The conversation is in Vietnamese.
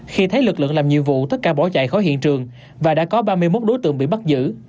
khi thấy lực lượng làm nhiệm vụ tất cả bỏ chạy khỏi hiện trường và đã có ba mươi một đối tượng bị bắt giữ